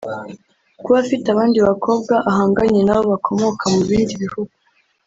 Kuba afite abandi bakobwa ahanganye nabo bakomoka mu bindi bihugu